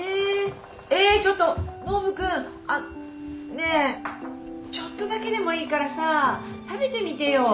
ねえちょっとだけでもいいからさ食べてみてよ。